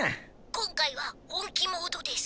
「今回は本気モードです」。